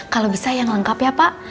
kalau bisa yang lengkap ya pak